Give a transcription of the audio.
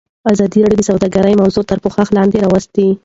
ازادي راډیو د سوداګري موضوع تر پوښښ لاندې راوستې.